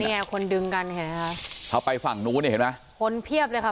เนี่ยคนดึงกันเห็นไหมคะเข้าไปฝั่งนู้นเนี่ยเห็นไหมคนเพียบเลยค่ะ